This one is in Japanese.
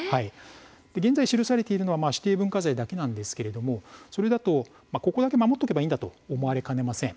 現在、記されているのは指定文化財だけですがそれだとここだけ守っておけばいいんだと思われかねません。